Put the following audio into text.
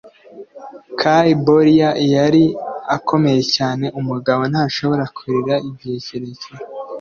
kai borie yari akomeye cyane umugabo ntashobora kurira igihe kirekire